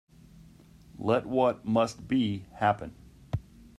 Let what must be, happen.